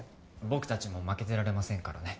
僕達も負けてられませんからね